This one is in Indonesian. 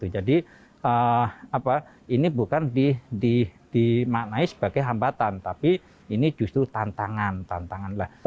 jadi ini bukan dimaknai sebagai hambatan tapi ini justru tantangan